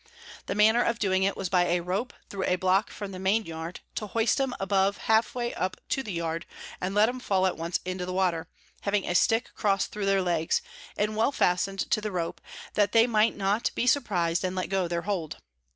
The manner of doing it was by a Rope thro a Block from the Main Yard, to hoist 'em above half way up to the Yard, and let 'em fall at once into the Water; having a Stick cross thro their Legs, and well fastned to the Rope, that they might not be surpriz'd and let go their hold.